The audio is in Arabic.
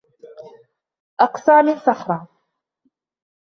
أقسى من صخرة